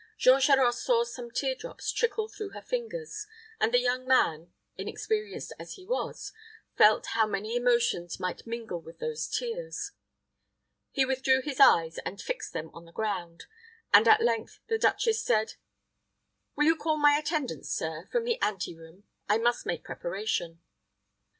Jean Charost saw some tear drops trickle through her fingers, and the young man, inexperienced as he was, felt how many emotions might mingle with those tears. He withdrew his eyes, and fixed them on the ground, and at length the duchess said, "Will you call my attendants, sir, from the ante room? I must make preparation."